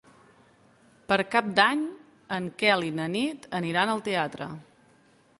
Per Cap d'Any en Quel i na Nit aniran al teatre.